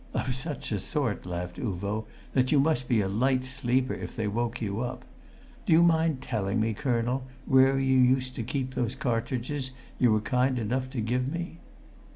"Of such a sort," laughed Uvo, "that you must be a light sleeper if they woke you up. Do you mind telling me, colonel, where you used to keep those cartridges you were kind enough to give me?"